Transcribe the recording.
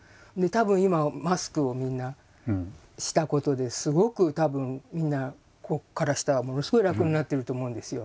たぶん今マスクをみんなしたことですごくたぶんみんなここから下はものすごい楽になってると思うんですよ